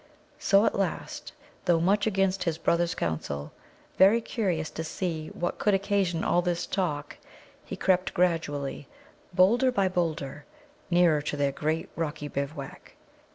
So at last, though much against his brothers' counsel, very curious to see what could occasion all this talk, he crept gradually, boulder by boulder, nearer to their great rocky bivouac.